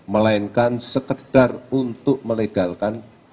melainkan sekedar untuk melegalkan